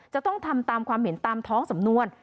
จะต้องทำตามความเห็นตามท้องสำนวน